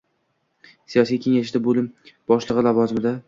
siyosiy kengashida bo‘lim boshlig‘i lavozimida